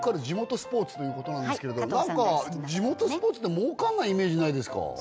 地元スポーツということなんですけれど何か地元スポーツって儲かんないイメージないですか？